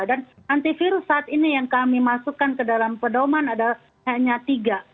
dan antivirus saat ini yang kami masukkan ke dalam pedoman adalah hanya tiga